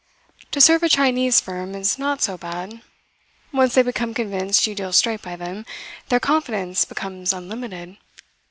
To serve a Chinese firm is not so bad. Once they become convinced you deal straight by them, their confidence becomes unlimited.